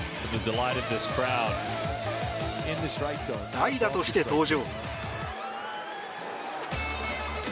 代打として登場。